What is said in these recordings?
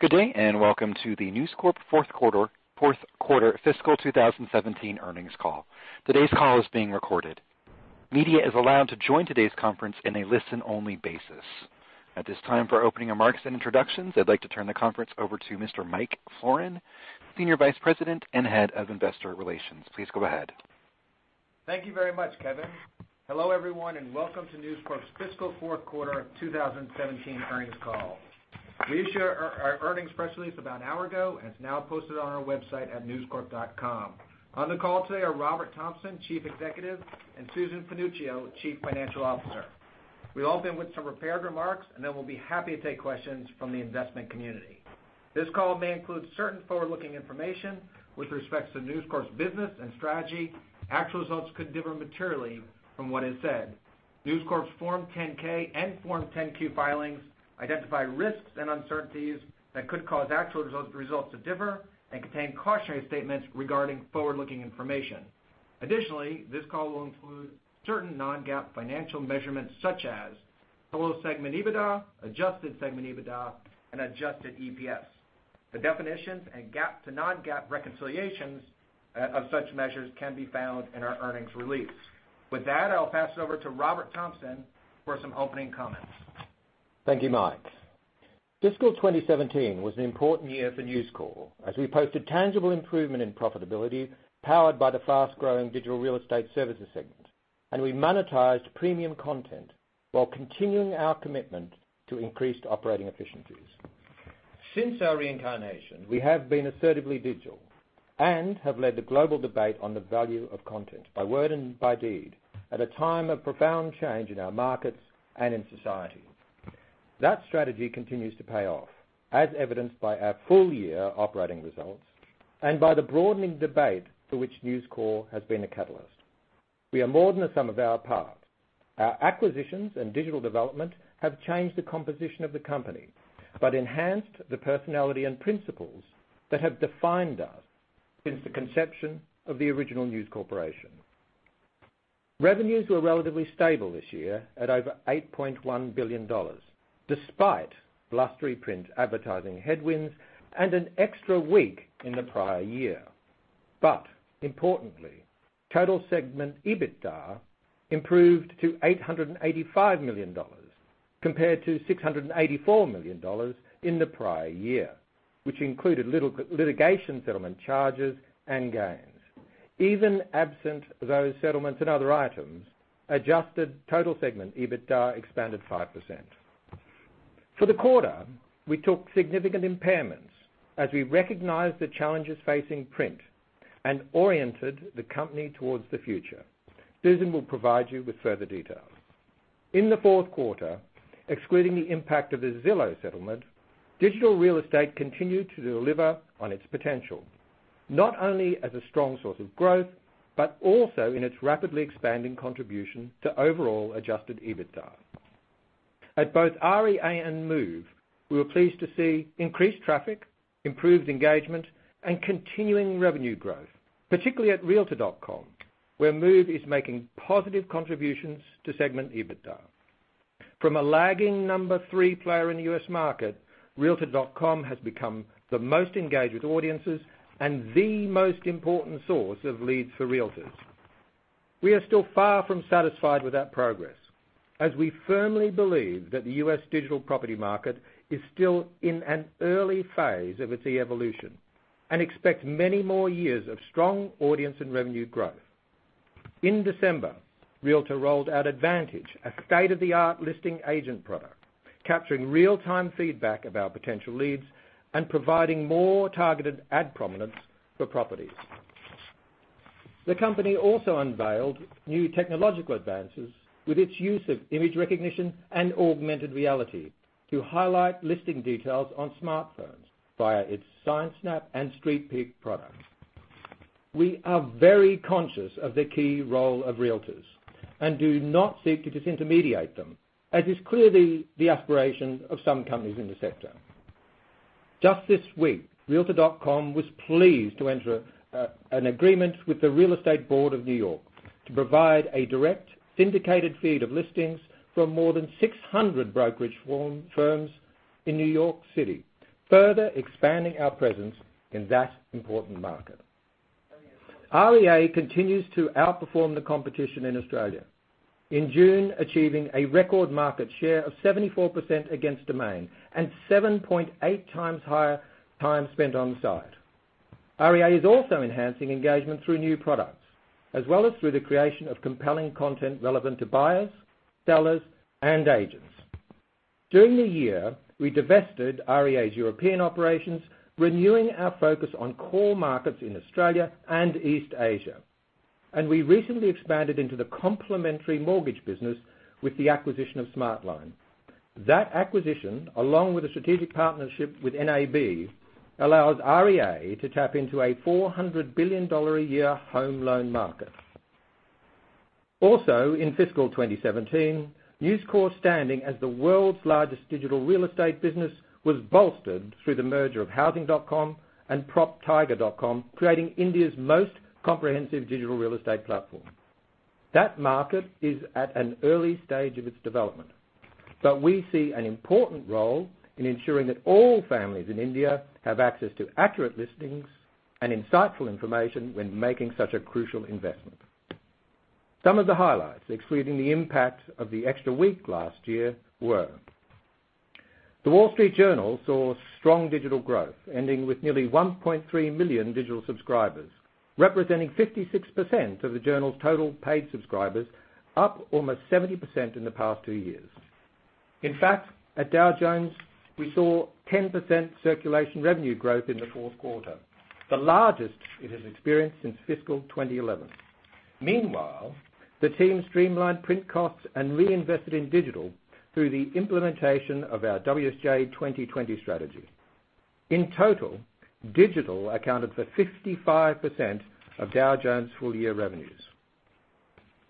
Good day, welcome to the News Corp fourth quarter fiscal 2017 earnings call. Today's call is being recorded. Media is allowed to join today's conference in a listen-only basis. At this time, for opening remarks and introductions, I'd like to turn the conference over to Mr. Mike Florin, Senior Vice President and Head of Investor Relations. Please go ahead. Thank you very much, Kevin. Hello, everyone, welcome to News Corp's fiscal fourth quarter of 2017 earnings call. We issued our earnings press release about an hour ago, and it's now posted on our website at newscorp.com. On the call today are Robert Thomson, Chief Executive, and Susan Panuccio, Chief Financial Officer. We'll open with some prepared remarks, then we'll be happy to take questions from the investment community. This call may include certain forward-looking information with respect to News Corp's business and strategy. Actual results could differ materially from what is said. News Corp's Form 10-K and Form 10-Q filings identify risks and uncertainties that could cause actual results to differ and contain cautionary statements regarding forward-looking information. Additionally, this call will include certain non-GAAP financial measurements such as total segment EBITDA, adjusted segment EBITDA, and adjusted EPS. The definitions and GAAP to non-GAAP reconciliations of such measures can be found in our earnings release. With that, I'll pass it over to Robert Thomson for some opening comments. Thank you, Mike. Fiscal 2017 was an important year for News Corp as we posted tangible improvement in profitability powered by the fast-growing digital real estate services segment. We monetized premium content while continuing our commitment to increased operating efficiencies. Since our reincarnation, we have been assertively digital and have led the global debate on the value of content by word and by deed at a time of profound change in our markets and in society. That strategy continues to pay off, as evidenced by our full-year operating results and by the broadening debate for which News Corp has been a catalyst. We are more than the sum of our parts. Our acquisitions and digital development have changed the composition of the company but enhanced the personality and principles that have defined us since the conception of the original News Corporation. Revenues were relatively stable this year at over $8.1 billion, despite blustery print advertising headwinds and an extra week in the prior year. Importantly, total segment EBITDA improved to $885 million compared to $684 million in the prior year, which included litigation settlement charges and gains. Even absent those settlements and other items, adjusted total segment EBITDA expanded 5%. For the quarter, we took significant impairments as we recognized the challenges facing print and oriented the company towards the future. Susan will provide you with further details. In the fourth quarter, excluding the impact of the Zillow settlement, digital real estate continued to deliver on its potential, not only as a strong source of growth but also in its rapidly expanding contribution to overall adjusted EBITDA. At both REA and Move, we were pleased to see increased traffic, improved engagement, and continuing revenue growth, particularly at realtor.com, where Move is making positive contributions to segment EBITDA. From a lagging number 3 player in the U.S. market, realtor.com has become the most engaged with audiences and the most important source of leads for realtors. We are still far from satisfied with that progress, as we firmly believe that the U.S. digital property market is still in an early phase of its evolution and expect many more years of strong audience and revenue growth. In December, realtor rolled out Advantage, a state-of-the-art listing agent product capturing real-time feedback about potential leads and providing more targeted ad prominence for properties. The company also unveiled new technological advances with its use of image recognition and augmented reality to highlight listing details on smartphones via its Sign Snap and Street Peek products. We are very conscious of the key role of realtors and do not seek to disintermediate them, as is clearly the aspiration of some companies in this sector. Just this week, realtor.com was pleased to enter an agreement with the Real Estate Board of New York to provide a direct syndicated feed of listings from more than 600 brokerage firms in New York City, further expanding our presence in that important market. REA continues to outperform the competition in Australia, in June achieving a record market share of 74% against Domain and 7.8 times higher time spent on the site. REA is also enhancing engagement through new products, as well as through the creation of compelling content relevant to buyers, sellers, and agents. During the year, we divested REA's European operations, renewing our focus on core markets in Australia and East Asia. We recently expanded into the complementary mortgage business with the acquisition of Smartline. That acquisition, along with a strategic partnership with NAB, allows REA to tap into a $400 billion a year home loan market. Also in fiscal 2017, News Corp's standing as the world's largest digital real estate business was bolstered through the merger of housing.com and proptiger.com, creating India's most comprehensive digital real estate platform. That market is at an early stage of its development. We see an important role in ensuring that all families in India have access to accurate listings and insightful information when making such a crucial investment. Some of the highlights, excluding the impact of the extra week last year were: The Wall Street Journal saw strong digital growth, ending with nearly 1.3 million digital subscribers, representing 56% of the Journal's total paid subscribers, up almost 70% in the past two years. In fact, at Dow Jones, we saw 10% circulation revenue growth in the fourth quarter, the largest it has experienced since fiscal 2011. Meanwhile, the team streamlined print costs and reinvested in digital through the implementation of our WSJ 2020 strategy. In total, digital accounted for 55% of Dow Jones' full-year revenues.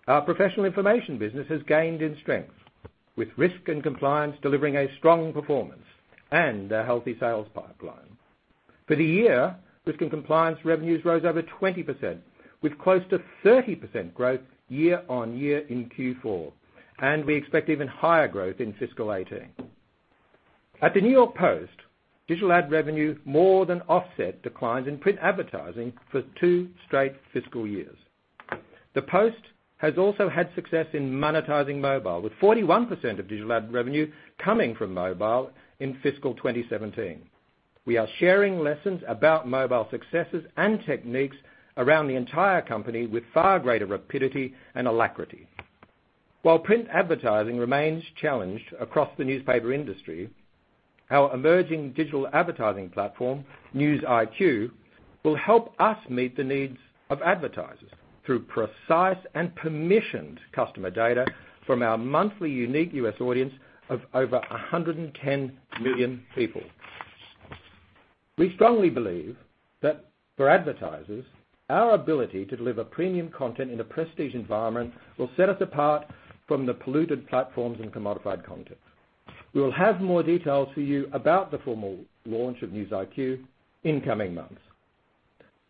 Our professional information business has gained in strength, with risk and compliance delivering a strong performance and a healthy sales pipeline. For the year, risk and compliance revenues rose over 20%, with close to 30% growth year-over-year in Q4, and we expect even higher growth in fiscal 2018. At the New York Post, digital ad revenue more than offset declines in print advertising for two straight fiscal years. The Post has also had success in monetizing mobile, with 41% of digital ad revenue coming from mobile in fiscal 2017. We are sharing lessons about mobile successes and techniques around the entire company with far greater rapidity and alacrity. While print advertising remains challenged across the newspaper industry, our emerging digital advertising platform, News IQ, will help us meet the needs of advertisers through precise and permissioned customer data from our monthly unique U.S. audience of over 110 million people. We strongly believe that for advertisers, our ability to deliver premium content in a prestige environment will set us apart from the polluted platforms and commodified content. We will have more details for you about the formal launch of News IQ in coming months.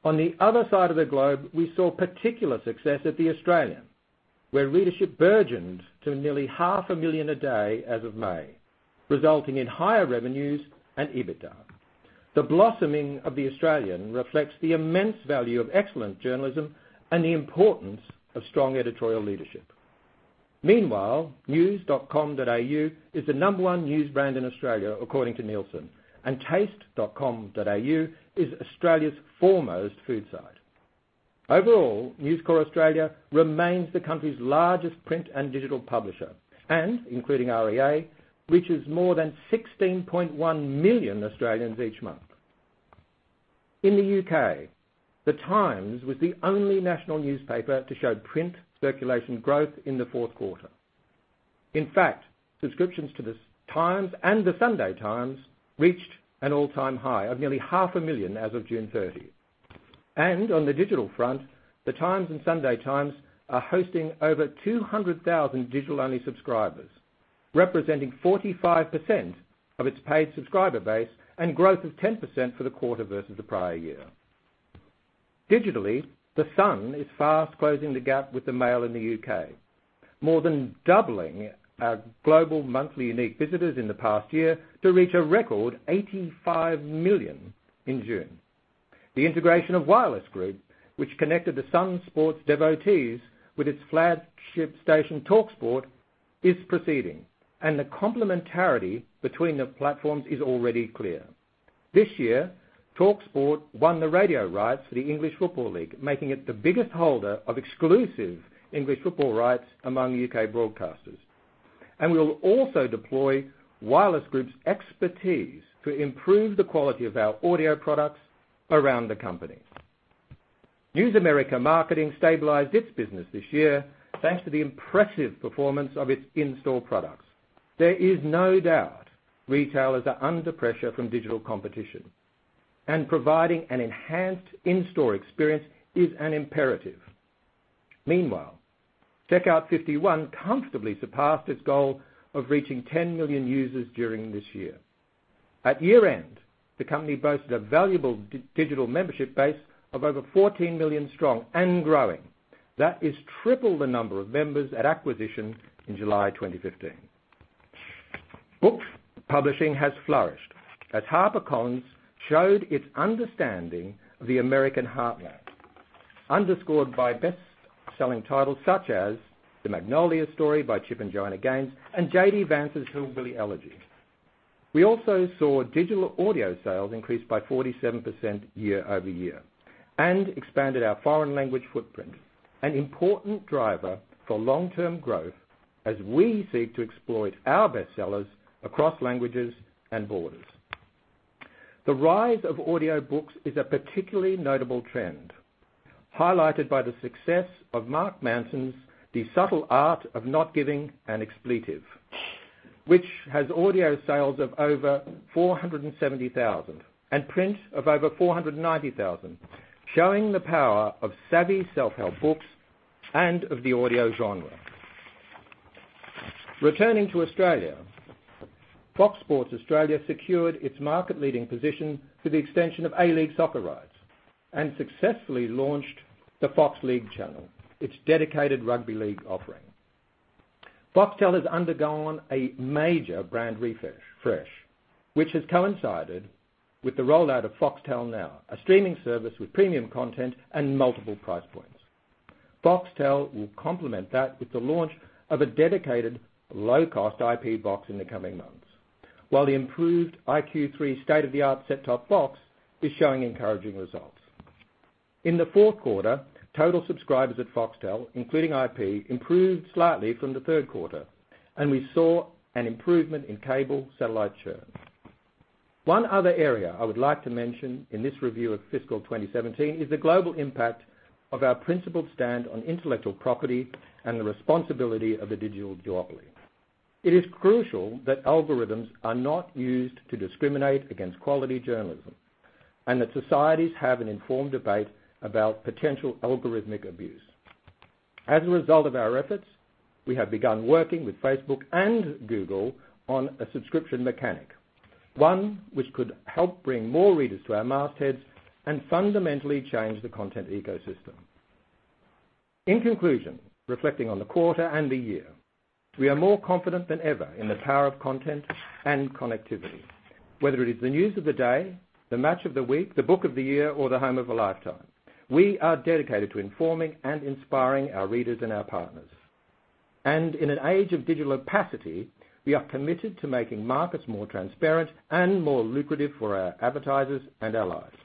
On the other side of the globe, we saw particular success at The Australian, where readership burgeoned to nearly half a million a day as of May, resulting in higher revenues and EBITDA. The blossoming of The Australian reflects the immense value of excellent journalism and the importance of strong editorial leadership. Meanwhile, news.com.au is the number one news brand in Australia, according to Nielsen, and taste.com.au is Australia's foremost food site. Overall, News Corp Australia remains the country's largest print and digital publisher and, including REA, reaches more than 16.1 million Australians each month. In the U.K., The Times was the only national newspaper to show print circulation growth in the fourth quarter. In fact, subscriptions to The Times and The Sunday Times reached an all-time high of nearly half a million as of June 30th. On the digital front, The Times and The Sunday Times are hosting over 200,000 digital-only subscribers, representing 45% of its paid subscriber base and growth of 10% for the quarter versus the prior year. Digitally, The Sun is fast closing the gap with The Mail in the U.K., more than doubling our global monthly unique visitors in the past year to reach a record 85 million in June. The integration of Wireless Group, which connected The Sun sports devotees with its flagship station, talkSPORT, is proceeding, and the complementarity between the platforms is already clear. This year, talkSPORT won the radio rights for the English Football League, making it the biggest holder of exclusive English football rights among U.K. broadcasters. We'll also deploy Wireless Group's expertise to improve the quality of our audio products around the company. News America Marketing stabilized its business this year thanks to the impressive performance of its in-store products. There is no doubt retailers are under pressure from digital competition, and providing an enhanced in-store experience is an imperative. Meanwhile, Checkout 51 comfortably surpassed its goal of reaching 10 million users during this year. At year-end, the company boasted a valuable digital membership base of over 14 million strong and growing. That is triple the number of members at acquisition in July 2015. Book publishing has flourished as HarperCollins showed its understanding of the American heartland, underscored by best-selling titles such as "The Magnolia Story" by Chip and Joanna Gaines, and J.D. Vance's "Hillbilly Elegy." We also saw digital audio sales increase by 47% year-over-year and expanded our foreign language footprint, an important driver for long-term growth as we seek to exploit our bestsellers across languages and borders. The rise of audiobooks is a particularly notable trend, highlighted by the success of Mark Manson's "The Subtle Art of Not Giving a F*ck," which has audio sales of over 470,000 and print of over 490,000, showing the power of savvy self-help books and of the audio genre. Returning to Australia, FOX Sports Australia secured its market-leading position through the extension of A-League soccer rights, and successfully launched the Fox League Channel, its dedicated rugby league offering. Foxtel has undergone a major brand refresh, which has coincided with the rollout of Foxtel Now, a streaming service with premium content and multiple price points. Foxtel will complement that with the launch of a dedicated low-cost IP box in the coming months, while the improved iQ3 state-of-the-art set-top box is showing encouraging results. In the fourth quarter, total subscribers at Foxtel, including IP, improved slightly from the third quarter, and we saw an improvement in cable satellite churn. One other area I would like to mention in this review of fiscal 2017 is the global impact of our principled stand on intellectual property and the responsibility of the digital duopoly. It is crucial that algorithms are not used to discriminate against quality journalism, and that societies have an informed debate about potential algorithmic abuse. As a result of our efforts, we have begun working with Facebook and Google on a subscription mechanic, one which could help bring more readers to our mastheads and fundamentally change the content ecosystem. In conclusion, reflecting on the quarter and the year, we are more confident than ever in the power of content and connectivity. Whether it is the news of the day, the match of the week, the book of the year, or the home of a lifetime, we are dedicated to informing and inspiring our readers and our partners. In an age of digital opacity, we are committed to making markets more transparent and more lucrative for our advertisers and our lives.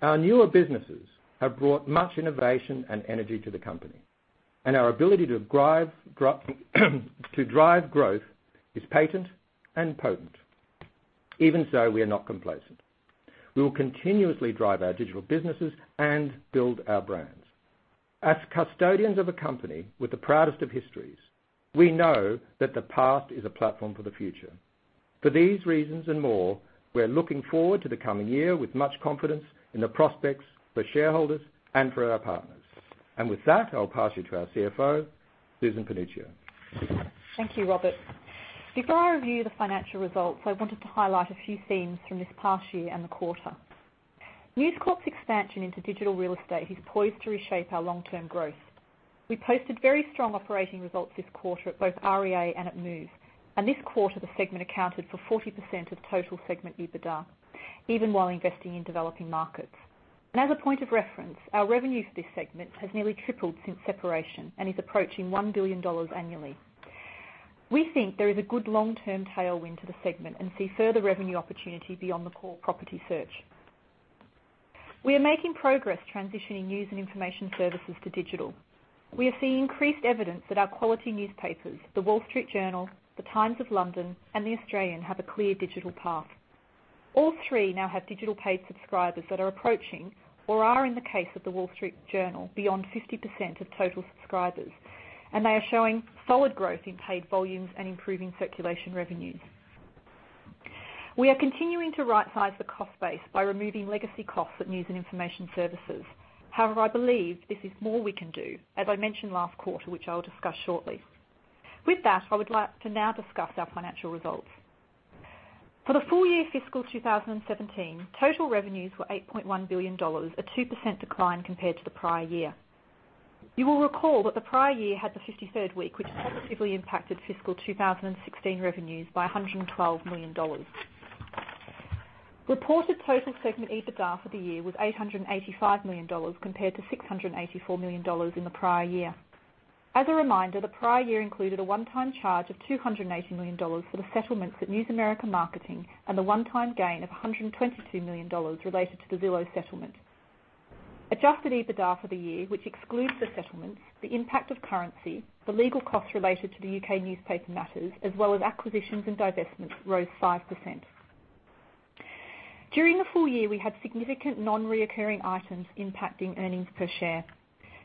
Our newer businesses have brought much innovation and energy to the company, and our ability to drive growth is patent and potent. Even so, we are not complacent. We will continuously drive our digital businesses and build our brands. As custodians of a company with the proudest of histories, we know that the past is a platform for the future. For these reasons and more, we're looking forward to the coming year with much confidence in the prospects for shareholders and for our partners. With that, I'll pass you to our CFO, Susan Panuccio. Thank you, Robert. Before I review the financial results, I wanted to highlight a few themes from this past year and the quarter. News Corp's expansion into digital real estate is poised to reshape our long-term growth. We posted very strong operating results this quarter at both REA and at Move. This quarter, the segment accounted for 40% of total segment EBITDA, even while investing in developing markets. As a point of reference, our revenue for this segment has nearly tripled since separation and is approaching $1 billion annually. We think there is a good long-term tailwind to the segment and see further revenue opportunity beyond the core property search. We are making progress transitioning News and Information Services to digital. We are seeing increased evidence that our quality newspapers, The Wall Street Journal, The Times of London, and The Australian, have a clear digital path. All three now have digital paid subscribers that are approaching, or are in the case of The Wall Street Journal, beyond 50% of total subscribers, and they are showing solid growth in paid volumes and improving circulation revenues. We are continuing to rightsize the cost base by removing legacy costs at News & Information Services. However, I believe there is more we can do, as I mentioned last quarter, which I will discuss shortly. With that, I would like to now discuss our financial results. For the full year fiscal 2017, total revenues were $8.1 billion, a 2% decline compared to the prior year. You will recall that the prior year had the 53rd week, which positively impacted fiscal 2016 revenues by $112 million. Reported total segment EBITDA for the year was $885 million, compared to $684 million in the prior year. As a reminder, the prior year included a one-time charge of $280 million for the settlements at News America Marketing and the one-time gain of $122 million related to the Zillow settlement. Adjusted EBITDA for the year, which excludes the settlements, the impact of currency, the legal costs related to the U.K. newspaper matters, as well as acquisitions and divestments, rose 5%. During the full year, we had significant non-reoccurring items impacting earnings per share.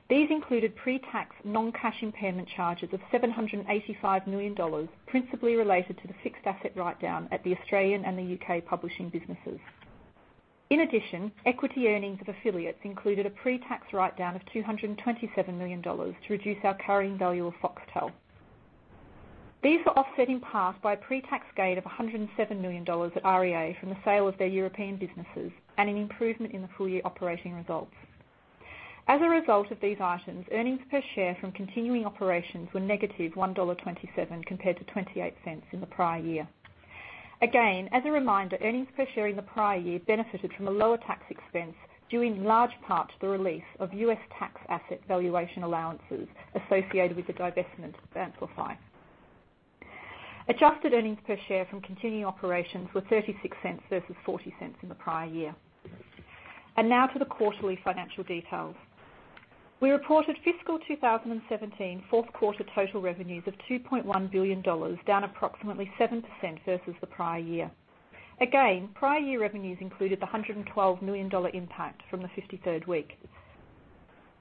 These included pre-tax non-cash impairment charges of $785 million, principally related to the fixed asset write-down at the Australian and the U.K. publishing businesses. In addition, equity earnings of affiliates included a pre-tax write-down of $227 million to reduce our carrying value of Foxtel. These were offset in part by a pre-tax gain of $107 million at REA from the sale of their European businesses and an improvement in the full-year operating results. As a result of these items, earnings per share from continuing operations were negative $1.27 compared to $0.28 in the prior year. Again, as a reminder, earnings per share in the prior year benefited from a lower tax expense, due in large part to the release of U.S. tax asset valuation allowances associated with the divestment of Amplify. Adjusted earnings per share from continuing operations were $0.36 versus $0.40 in the prior year. Now to the quarterly financial details. We reported fiscal 2017 fourth quarter total revenues of $2.1 billion, down approximately 7% versus the prior year. Again, prior year revenues included the $112 million impact from the 53rd week.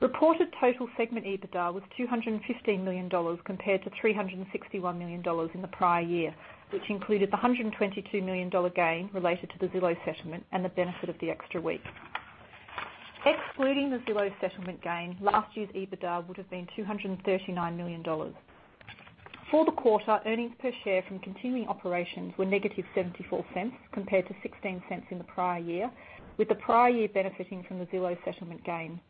Reported total segment EBITDA was $215 million, compared to $361 million in the prior year, which included the $122 million gain related to the Zillow settlement and the benefit of the extra week. Excluding the Zillow settlement gain, last year's EBITDA would have been $239 million. For the quarter, earnings per share from continuing operations were negative $0.74, compared to $0.16 in the prior year, with the prior year benefiting from the Zillow settlement gain.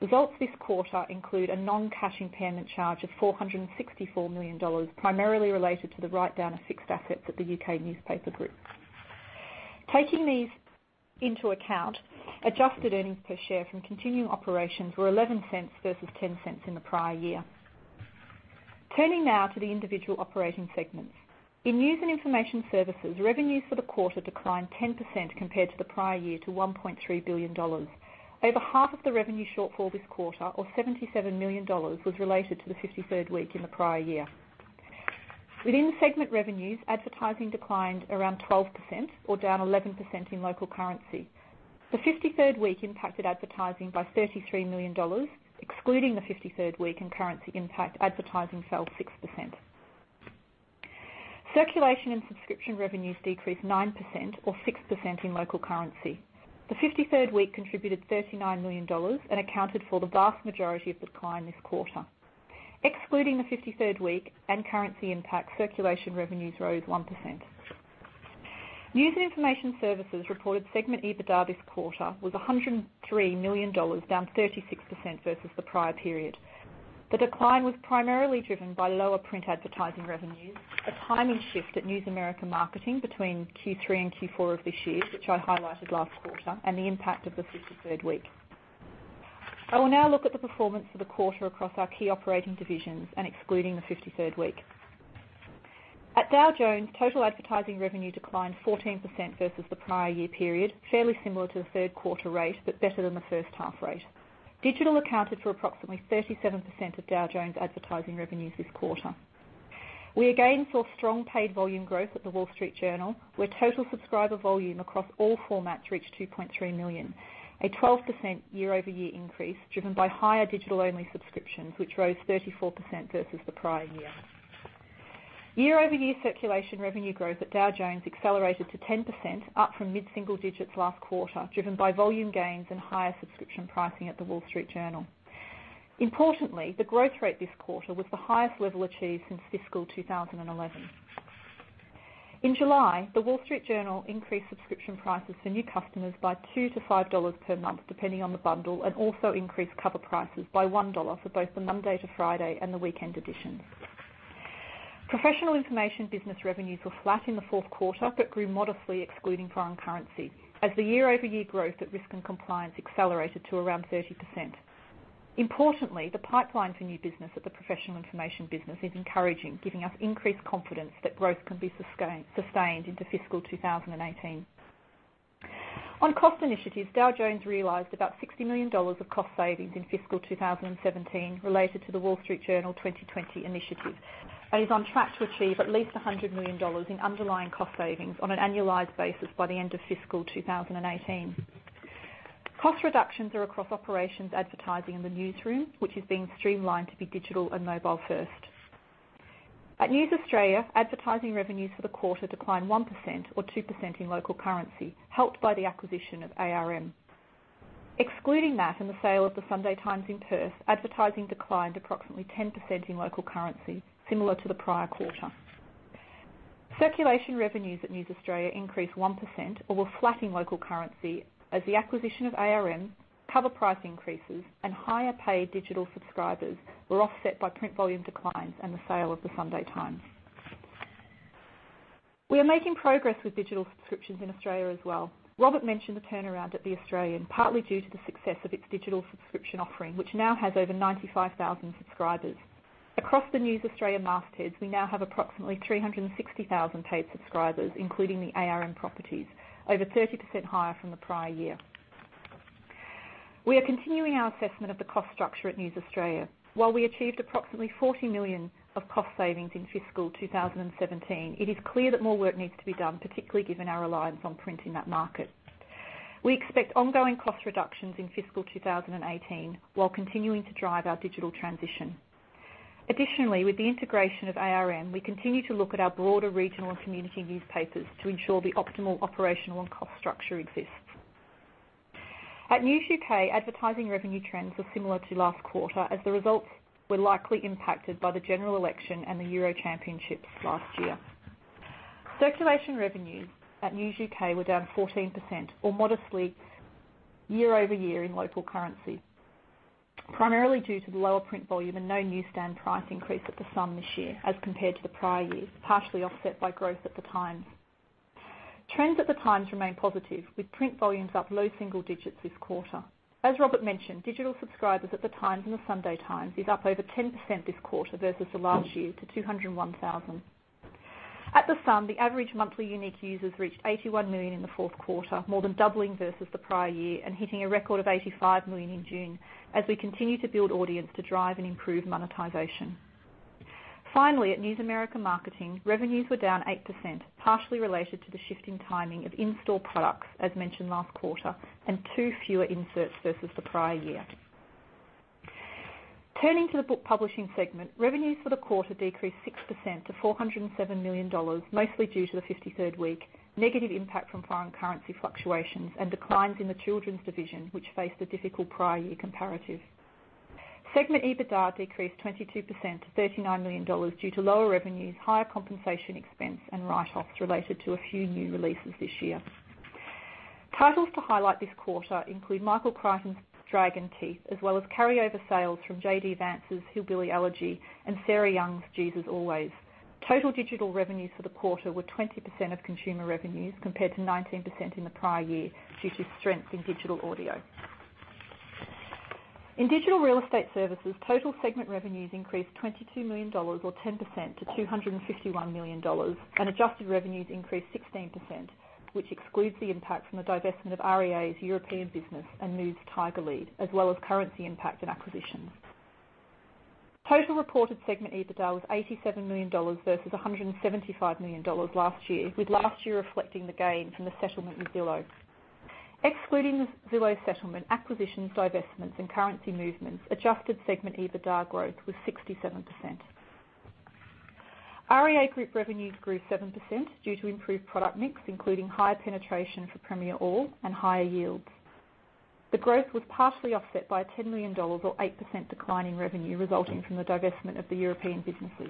Results this quarter include a non-cash impairment charge of $464 million, primarily related to the write-down of fixed assets at the U.K. Newspaper group. Taking these into account, adjusted earnings per share from continuing operations were $0.11 versus $0.10 in the prior year. Turning now to the individual operating segments. In News and Information Services, revenues for the quarter declined 10% compared to the prior year to $1.3 billion. Over half of the revenue shortfall this quarter, or $77 million, was related to the 53rd week in the prior year. Within segment revenues, advertising declined around 12%, or down 11% in local currency. The 53rd week impacted advertising by $33 million. Excluding the 53rd week and currency impact, advertising fell 6%. Circulation and subscription revenues decreased 9%, or 6% in local currency. The 53rd week contributed $39 million and accounted for the vast majority of the decline this quarter. Excluding the 53rd week and currency impact, circulation revenues rose 1%. News and Information Services reported segment EBITDA this quarter was $103 million, down 36% versus the prior period. The decline was primarily driven by lower print advertising revenues, a timing shift at News America Marketing between Q3 and Q4 of this year, which I highlighted last quarter, and the impact of the 53rd week. I will now look at the performance for the quarter across our key operating divisions and excluding the 53rd week. At Dow Jones, total advertising revenue declined 14% versus the prior year period, fairly similar to the third quarter rate, but better than the first half rate. Digital accounted for approximately 37% of Dow Jones advertising revenues this quarter. We again saw strong paid volume growth at The Wall Street Journal, where total subscriber volume across all formats reached 2.3 million, a 12% year-over-year increase driven by higher digital-only subscriptions, which rose 34% versus the prior year. Year-over-year circulation revenue growth at Dow Jones accelerated to 10%, up from mid-single digits last quarter, driven by volume gains and higher subscription pricing at The Wall Street Journal. Importantly, the growth rate this quarter was the highest level achieved since fiscal 2011. In July, The Wall Street Journal increased subscription prices for new customers by $2 to $5 per month, depending on the bundle, and also increased cover prices by $1 for both the Monday to Friday and the weekend edition. Professional information business revenues were flat in the fourth quarter but grew modestly excluding foreign currency as the year-over-year growth at risk and compliance accelerated to around 30%. Importantly, the pipeline for new business at the professional information business is encouraging, giving us increased confidence that growth can be sustained into fiscal 2018. On cost initiatives, Dow Jones realized about $60 million of cost savings in fiscal 2017 related to The Wall Street Journal 2020 initiative, and is on track to achieve at least $100 million in underlying cost savings on an annualized basis by the end of fiscal 2018. Cost reductions are across operations advertising in the newsroom, which is being streamlined to be digital and mobile first. At News Australia, advertising revenues for the quarter declined 1%, or 2% in local currency, helped by the acquisition of ARM. Excluding that and the sale of The Sunday Times in Perth, advertising declined approximately 10% in local currency, similar to the prior quarter. Circulation revenues at News Australia increased 1%, or were flat in local currency as the acquisition of ARM, cover price increases, and higher paid digital subscribers were offset by print volume declines and the sale of The Sunday Times. We are making progress with digital subscriptions in Australia as well. Robert mentioned the turnaround at The Australian, partly due to the success of its digital subscription offering, which now has over 95,000 subscribers. Across the News Australia mastheads, we now have approximately 360,000 paid subscribers, including the ARM properties, over 30% higher from the prior year. We are continuing our assessment of the cost structure at News Australia. While we achieved approximately $40 million of cost savings in fiscal 2017, it is clear that more work needs to be done, particularly given our reliance on print in that market. We expect ongoing cost reductions in fiscal 2018 while continuing to drive our digital transition. Additionally, with the integration of ARM, we continue to look at our broader regional and community newspapers to ensure the optimal operational and cost structure exists. At News UK, advertising revenue trends are similar to last quarter as the results were likely impacted by the general election and the Euro championships last year. Circulation revenues at News UK were down 14%, or modestly year-over-year in local currency, primarily due to the lower print volume and no newsstand price increase at the Sun this year as compared to the prior year, partially offset by growth at The Times. Trends at The Times remain positive, with print volumes up low single digits this quarter. As Robert mentioned, digital subscribers at The Times and The Sunday Times is up over 10% this quarter versus the last year to 201,000. At the Sun, the average monthly unique users reached 81 million in the fourth quarter, more than doubling versus the prior year and hitting a record of 85 million in June as we continue to build audience to drive and improve monetization. Finally, at News America Marketing, revenues were down 8%, partially related to the shift in timing of in-store products as mentioned last quarter, and two fewer inserts versus the prior year. Turning to the book publishing segment, revenues for the quarter decreased 6% to $407 million, mostly due to the 53rd week, negative impact from foreign currency fluctuations, and declines in the children's division, which faced a difficult prior year comparative. Segment EBITDA decreased 22% to $39 million due to lower revenues, higher compensation expense, and write-offs related to a few new releases this year. Titles to highlight this quarter include Michael Crichton's "Dragon Teeth," as well as carryover sales from J.D. Vance's "Hillbilly Elegy" and Sarah Young's "Jesus Always." Total digital revenues for the quarter were 20% of consumer revenues, compared to 19% in the prior year, due to strength in digital audio. In digital real estate services, total segment revenues increased $22 million or 10% to $251 million, and adjusted revenues increased 16%, which excludes the impact from the divestment of REA's European business and Move's TigerLead, as well as currency impact and acquisitions. Total reported segment EBITDA was $87 million versus $175 million last year, with last year reflecting the gain from the settlement with Zillow. Excluding the Zillow settlement, acquisitions, divestments, and currency movements, adjusted segment EBITDA growth was 67%. REA Group revenues grew 7% due to improved product mix, including higher penetration for Premier All and higher yields. The growth was partially offset by a $10 million or 8% decline in revenue resulting from the divestment of the European businesses.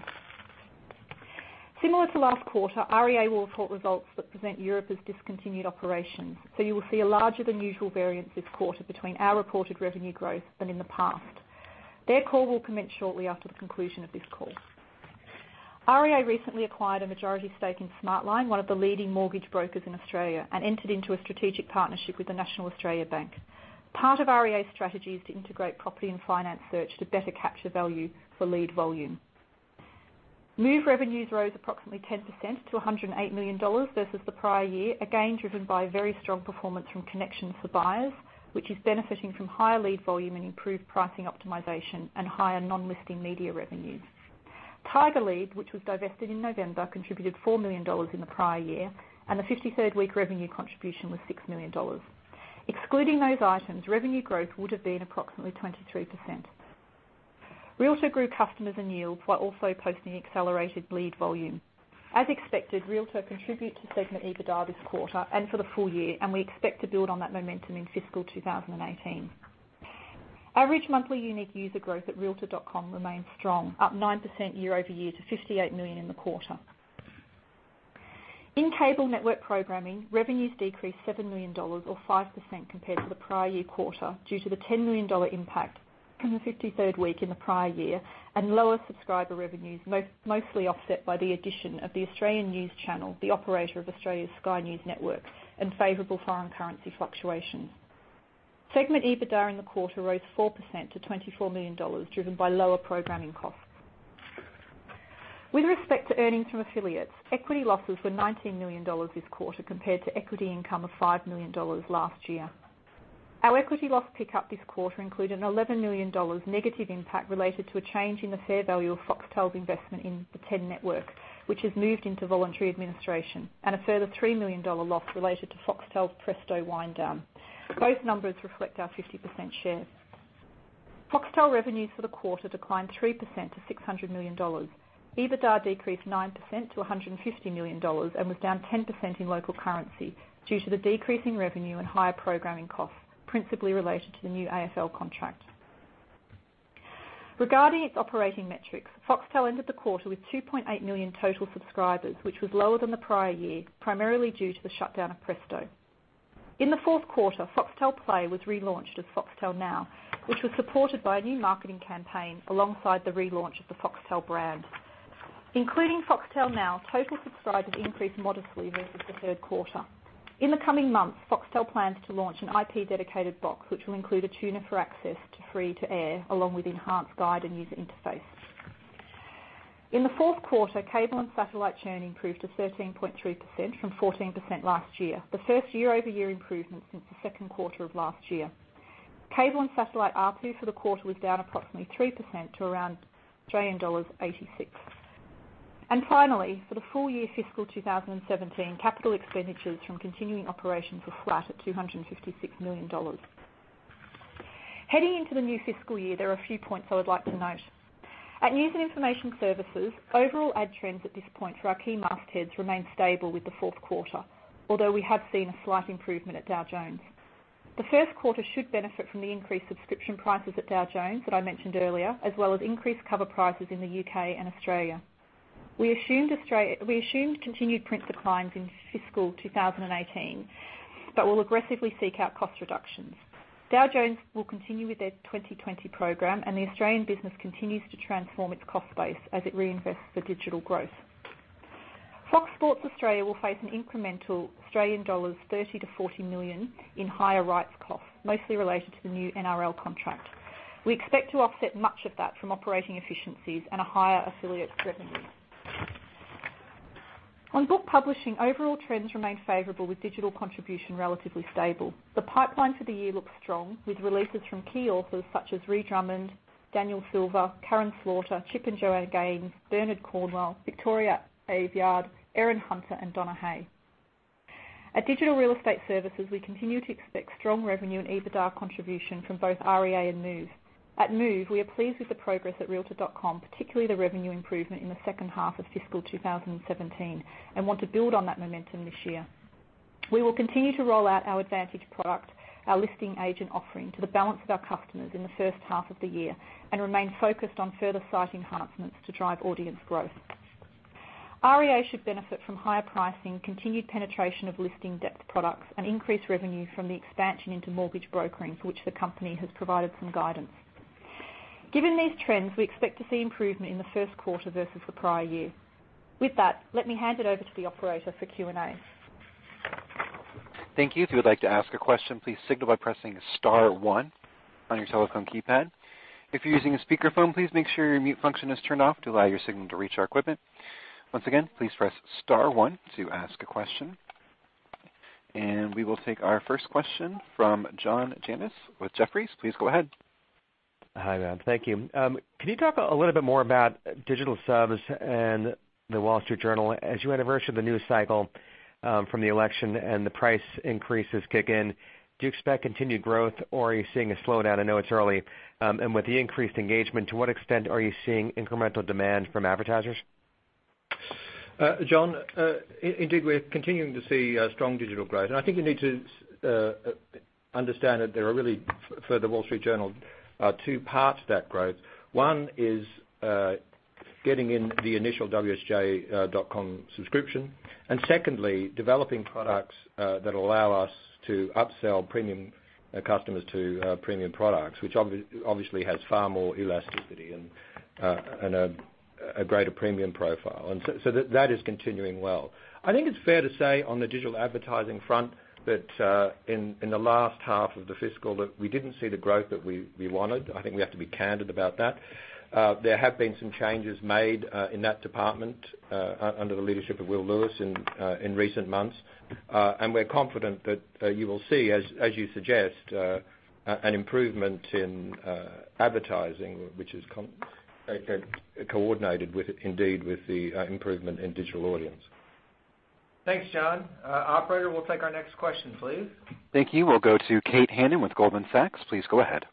Similar to last quarter, REA will report results that present Europe as discontinued operations. You will see a larger than usual variance this quarter between our reported revenue growth than in the past. Their call will commence shortly after the conclusion of this call. REA recently acquired a majority stake in Smartline, one of the leading mortgage brokers in Australia, and entered into a strategic partnership with the National Australia Bank. Part of REA's strategy is to integrate property and finance search to better capture value for lead volume. Move revenues rose approximately 10% to $108 million versus the prior year, again driven by very strong performance from Connections for Buyers, which is benefiting from higher lead volume and improved pricing optimization and higher non-listing media revenues. TigerLead, which was divested in November, contributed $4 million in the prior year, and the 53rd week revenue contribution was $6 million. Excluding those items, revenue growth would've been approximately 23%. Realtor grew customers and yields while also posting accelerated lead volume. As expected, Realtor contributed to segment EBITDA this quarter and for the full year, and we expect to build on that momentum in fiscal 2018. Average monthly unique user growth at realtor.com remains strong, up 9% year-over-year to 58 million in the quarter. In cable network programming, revenues decreased $7 million or 5% compared to the prior year quarter due to the $10 million impact from the 53rd week in the prior year and lower subscriber revenues, mostly offset by the addition of the Australian News Channel, the operator of Australia's Sky News Australia network, and favorable foreign currency fluctuations. Segment EBITDA in the quarter rose 4% to $24 million, driven by lower programming costs. With respect to earnings from affiliates, equity losses were $19 million this quarter compared to equity income of $5 million last year. Our equity loss pick-up this quarter include an $11 million negative impact related to a change in the fair value of Foxtel's investment in the Ten Network, which has moved into voluntary administration, and a further $3 million loss related to Foxtel's Presto wind down. Both numbers reflect our 50% share. Foxtel revenues for the quarter declined 3% to $600 million. EBITDA decreased 9% to $150 million and was down 10% in local currency due to the decrease in revenue and higher programming costs, principally related to the new AFL contract. Regarding its operating metrics, Foxtel ended the quarter with 2.8 million total subscribers, which was lower than the prior year, primarily due to the shutdown of Presto. In the fourth quarter, Foxtel Play was relaunched as Foxtel Now, which was supported by a new marketing campaign alongside the relaunch of the Foxtel brand. Including Foxtel Now, total subscribers increased modestly versus the third quarter. In the coming months, Foxtel plans to launch an IP-dedicated box, which will include a tuner for access to free-to-air, along with enhanced guide and user interface. In the fourth quarter, cable and satellite churn improved to 13.3% from 14% last year, the first year-over-year improvement since the second quarter of last year. Cable and satellite ARPU for the quarter was down approximately 3% to around Australian dollars 86. Finally, for the full year fiscal 2017, capital expenditures from continuing operations were flat at $256 million. Heading into the new fiscal year, there are a few points I would like to note. At News and Information Services, overall ad trends at this point for our key mastheads remain stable with the fourth quarter, although we have seen a slight improvement at Dow Jones. The first quarter should benefit from the increased subscription prices at Dow Jones that I mentioned earlier, as well as increased cover prices in the U.K. and Australia. We assumed continued print declines in fiscal 2018, we'll aggressively seek out cost reductions. Dow Jones will continue with their 2020 program, the Australian business continues to transform its cost base as it reinvests for digital growth. Fox Sports Australia will face an incremental Australian dollars 30 million-40 million in higher rights costs, mostly related to the new NRL contract. We expect to offset much of that from operating efficiencies and a higher affiliates revenue. On book publishing, overall trends remain favorable with digital contribution relatively stable. The pipeline for the year looks strong with releases from key authors such as Ree Drummond, Daniel Silva, Karin Slaughter, Chip and Joanna Gaines, Bernard Cornwell, Victoria Aveyard, Erin Hunter, and Donna Hay. At Digital Real Estate Services, we continue to expect strong revenue and EBITDA contribution from both REA and Move. At Move, we are pleased with the progress at realtor.com, particularly the revenue improvement in the second half of fiscal 2017, and want to build on that momentum this year. We will continue to roll out our Advantage product, our listing agent offering, to the balance of our customers in the first half of the year, and remain focused on further site enhancements to drive audience growth. REA should benefit from higher pricing, continued penetration of listing depth products, and increased revenue from the expansion into mortgage brokering, for which the company has provided some guidance. Given these trends, we expect to see improvement in the first quarter versus the prior year. With that, let me hand it over to the operator for Q&A. Thank you. If you would like to ask a question, please signal by pressing *1 on your telephone keypad. If you're using a speakerphone, please make sure your mute function is turned off to allow your signal to reach our equipment. Once again, please press *1 to ask a question. We will take our first question from John Janedis with Jefferies. Please go ahead. Hi, Rob. Thank you. Can you talk a little bit more about digital subs and The Wall Street Journal? As you anniversary the news cycle from the election and the price increases kick in, do you expect continued growth, or are you seeing a slowdown? I know it's early. With the increased engagement, to what extent are you seeing incremental demand from advertisers? John, indeed, we're continuing to see strong digital growth. I think you need to understand that there are really, for The Wall Street Journal, two parts to that growth. One is getting in the initial wsj.com subscription, and secondly, developing products that allow us to upsell premium customers to premium products, which obviously has far more elasticity and a greater premium profile. That is continuing well. I think it's fair to say, on the digital advertising front, that in the last half of the fiscal that we didn't see the growth that we wanted. I think we have to be candid about that. There have been some changes made in that department under the leadership of Will Lewis in recent months. We're confident that you will see, as you suggest, an improvement in advertising, which is coordinated indeed with the improvement in digital audience. Thanks, John. Operator, we'll take our next question, please. Thank you. We'll go to Kane Hannan with Goldman Sachs. Please go ahead.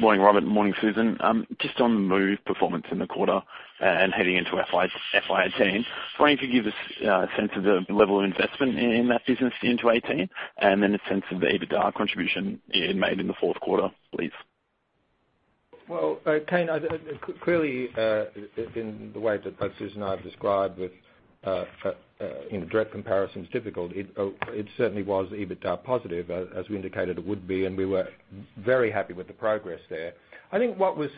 Morning, Robert. Morning, Susan. Just on Move performance in the quarter and heading into FY 2018, were you able to give a sense of the level of investment in that business into 2018, and then a sense of the EBITDA contribution it made in the fourth quarter, please? Kane, clearly, in the way that both Susan and I have described with direct comparison is difficult. It certainly was EBITDA positive, as we indicated it would be, and we were very happy with the progress there. I think what was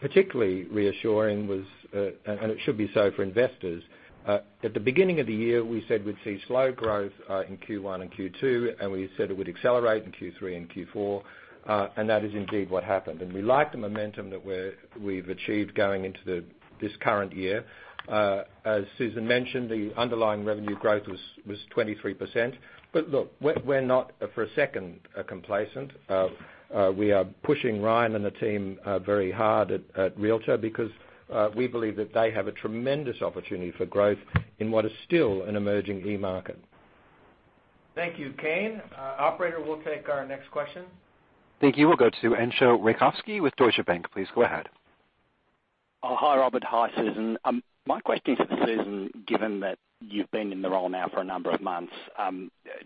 particularly reassuring was, and it should be so for investors, at the beginning of the year, we said we'd see slow growth in Q1 and Q2, and we said it would accelerate in Q3 and Q4, and that is indeed what happened. We like the momentum that we've achieved going into this current year. As Susan mentioned, the underlying revenue growth was 23%. Look, we're not for a second complacent. We are pushing Ryan and the team very hard at Realtor because we believe that they have a tremendous opportunity for growth in what is still an emerging e-market. Thank you, Kane. Operator, we'll take our next question. Thank you. We'll go to Entcho Raykovski with Deutsche Bank. Please go ahead. Hi, Robert. Hi, Susan. My question is for Susan, given that you've been in the role now for a number of months.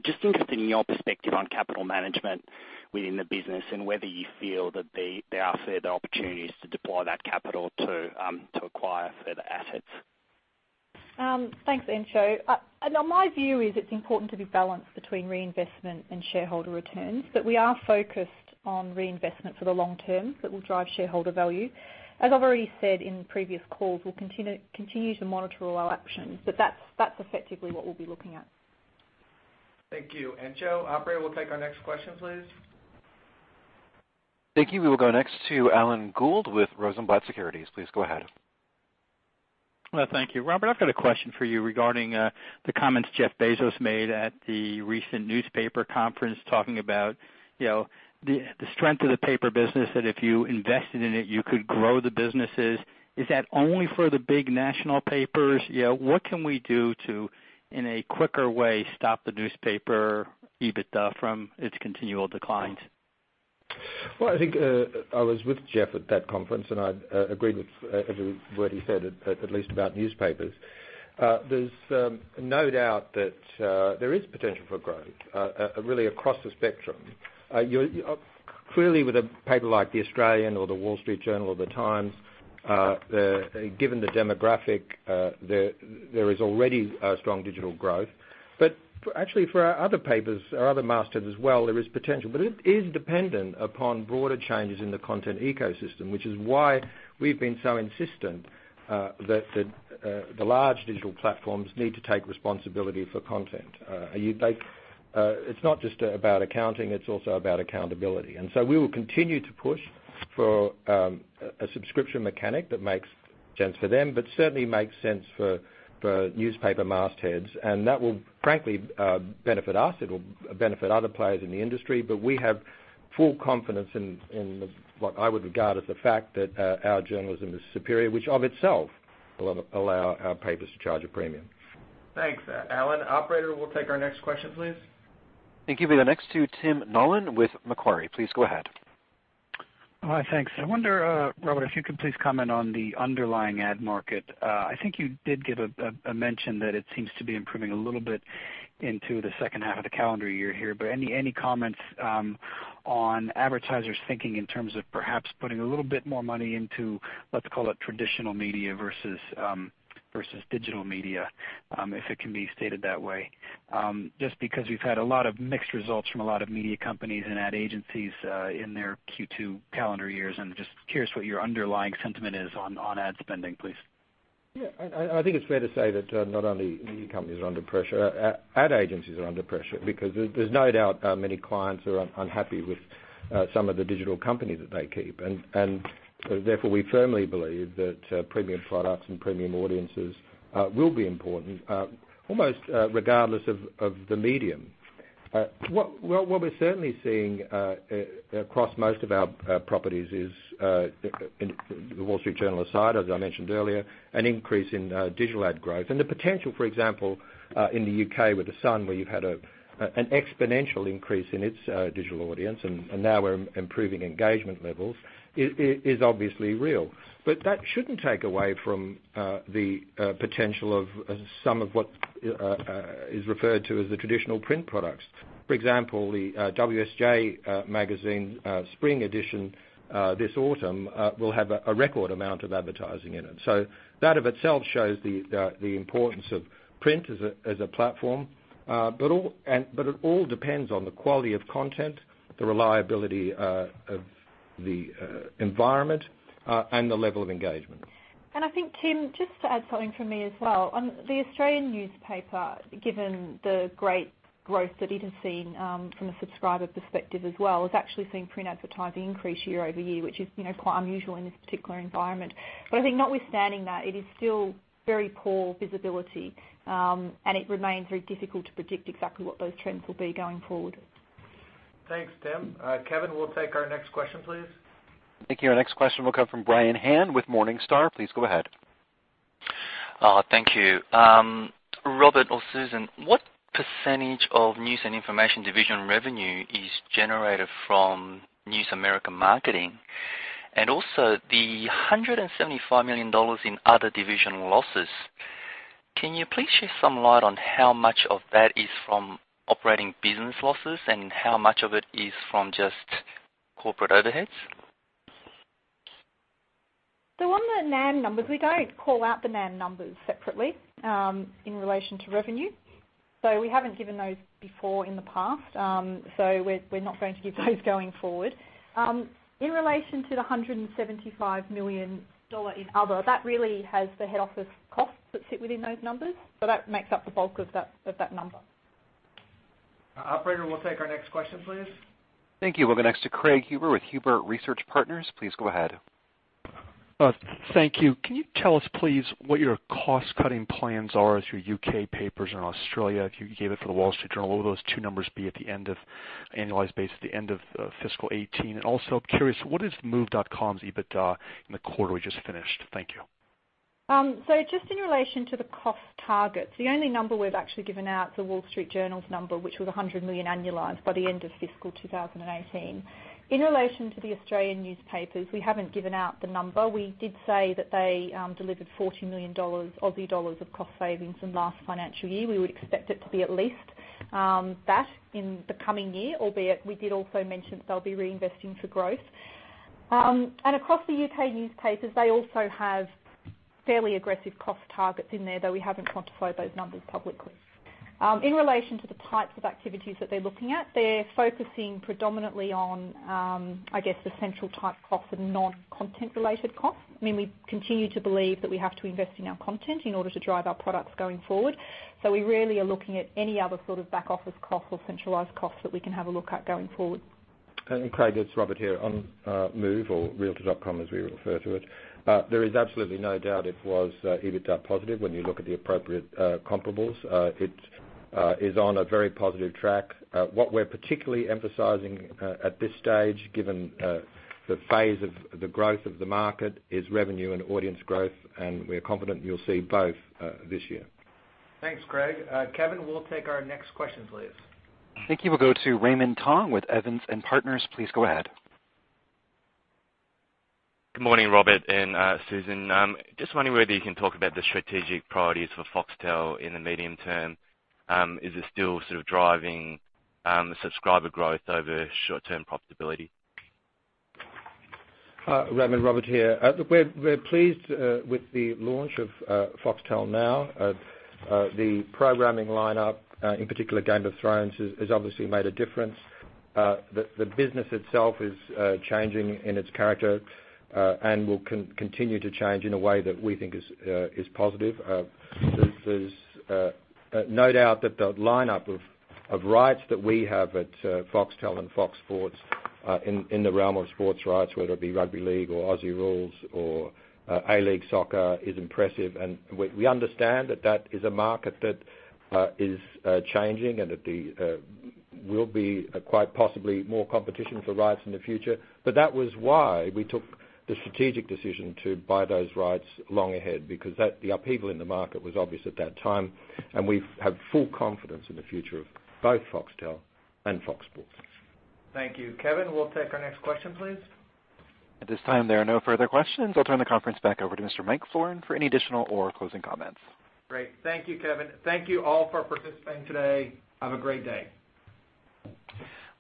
Just interested in your perspective on capital management within the business and whether you feel that there are further opportunities to deploy that capital to acquire further assets. Thanks, Entcho. My view is it's important to be balanced between reinvestment and shareholder returns, but we are focused on reinvestment for the long term that will drive shareholder value. As I've already said in previous calls, we'll continue to monitor all our options. That's effectively what we'll be looking at. Thank you, Entcho. Operator, we'll take our next question, please. Thank you. We will go next to Alan Gould with Rosenblatt Securities. Please go ahead. Thank you. Robert, I've got a question for you regarding the comments Jeff Bezos made at the recent newspaper conference talking about the strength of the paper business, that if you invested in it, you could grow the businesses. Is that only for the big national papers? What can we do to, in a quicker way, stop the newspaper EBITDA from its continual declines? I think I was with Jeff at that conference, I agreed with every word he said, at least about newspapers. There's no doubt that there is potential for growth, really across the spectrum. Clearly, with a paper like The Australian or The Wall Street Journal or The Times, given the demographic, there is already a strong digital growth. Actually for our other papers, our other mastheads as well, there is potential. It is dependent upon broader changes in the content ecosystem, which is why we've been so insistent that the large digital platforms need to take responsibility for content. It's not just about accounting, it's also about accountability. We will continue to push for a subscription mechanic that makes sense for them, but certainly makes sense for newspaper mastheads. That will frankly benefit us. It'll benefit other players in the industry. We have full confidence in what I would regard as the fact that our journalism is superior, which of itself will allow our papers to charge a premium. Thanks, Alan. Operator, we'll take our next question, please. Thank you. We go next to Tim Nollen with Macquarie. Please go ahead. Hi. Thanks. I wonder, Robert, if you could please comment on the underlying ad market. I think you did give a mention that it seems to be improving a little bit into the second half of the calendar year here. Any comments on advertisers thinking in terms of perhaps putting a little bit more money into, let's call it, traditional media versus digital media, if it can be stated that way? Just because we've had a lot of mixed results from a lot of media companies and ad agencies in their Q2 calendar years. I'm just curious what your underlying sentiment is on ad spending, please. Yeah. I think it's fair to say that not only media companies are under pressure, ad agencies are under pressure because there's no doubt many clients are unhappy with some of the digital companies that they keep. Therefore, we firmly believe that premium products and premium audiences will be important, almost regardless of the medium. What we're certainly seeing across most of our properties is, The Wall Street Journal aside, as I mentioned earlier, an increase in digital ad growth. The potential, for example, in the U.K. with The Sun, where you've had an exponential increase in its digital audience, and now we're improving engagement levels, is obviously real. That shouldn't take away from the potential of some of what is referred to as the traditional print products. For example, the WSJ Magazine spring edition this autumn will have a record amount of advertising in it. That of itself shows the importance of print as a platform. It all depends on the quality of content, the reliability of the environment, and the level of engagement. I think, Tim, just to add something from me as well. On The Australian newspaper, given the great growth that it has seen from a subscriber perspective as well, it's actually seeing print advertising increase year-over-year, which is quite unusual in this particular environment. I think notwithstanding that, it is still very poor visibility, and it remains very difficult to predict exactly what those trends will be going forward. Thanks, Tim. Kevin, we'll take our next question, please. Thank you. Our next question will come from Brian Han with Morningstar. Please go ahead. Thank you. Robert or Susan, what percentage of News and Information division revenue is generated from News America Marketing? Also the $175 million in other division losses, can you please shed some light on how much of that is from operating business losses, and how much of it is from just corporate overheads? On the NAM numbers, we don't call out the NAM numbers separately in relation to revenue. We haven't given those before in the past, so we're not going to give those going forward. In relation to the $175 million in other, that really has the head office costs that sit within those numbers. That makes up the bulk of that number. Operator, we'll take our next question, please. Thank you. We'll go next to Craig Huber with Huber Research Partners. Please go ahead. Thank you. Can you tell us, please, what your cost-cutting plans are as your U.K. papers are in Australia? If you gave it for The Wall Street Journal, what would those two numbers be at the end of annualized base at the end of fiscal 2018? I'm curious, what is Move.com's EBITDA in the quarter we just finished? Thank you. Just in relation to the cost targets, the only number we've actually given out is The Wall Street Journal's number, which was $100 million annualized by the end of fiscal 2018. In relation to The Australian newspapers, we haven't given out the number. We did say that they delivered 40 million Aussie dollars of cost savings in the last financial year. We would expect it to be at least that in the coming year, albeit we did also mention they'll be reinvesting for growth. Across the U.K. newspapers, they also have fairly aggressive cost targets in there, though we haven't quantified those numbers publicly. In relation to the types of activities that they're looking at, they're focusing predominantly on, I guess, the central type costs and non-content related costs. We continue to believe that we have to invest in our content in order to drive our products going forward. We really are looking at any other sort of back-office cost or centralized cost that we can have a look at going forward. Craig, it's Robert here. On Move or realtor.com as we refer to it, there is absolutely no doubt it was EBITDA positive when you look at the appropriate comparables. It is on a very positive track. What we're particularly emphasizing at this stage, given the phase of the growth of the market, is revenue and audience growth, and we are confident you'll see both this year. Thanks, Craig. Kevin, we'll take our next question, please. Thank you. We'll go to Raymond Tong with Evans and Partners. Please go ahead. Good morning, Robert and Susan. Just wondering whether you can talk about the strategic priorities for Foxtel in the medium term. Is it still sort of driving subscriber growth over short-term profitability? Raymond, Robert here. Look, we're pleased with the launch of Foxtel Now. The programming lineup, in particular Game of Thrones, has obviously made a difference. The business itself is changing in its character and will continue to change in a way that we think is positive. There's no doubt that the lineup of rights that we have at Foxtel and Fox Sports in the realm of sports rights, whether it be rugby league or Aussie rules or A-League soccer, is impressive. We understand that that is a market that is changing and that there will be quite possibly more competition for rights in the future. That was why we took the strategic decision to buy those rights long ahead, because the upheaval in the market was obvious at that time, and we have full confidence in the future of both Foxtel and Fox Sports. Thank you. Kevin, we'll take our next question, please. At this time, there are no further questions. I'll turn the conference back over to Mr. Michael Florin for any additional or closing comments. Great. Thank you, Kevin. Thank you all for participating today. Have a great day.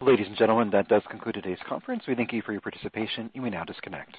Ladies and gentlemen, that does conclude today's conference. We thank you for your participation. You may now disconnect.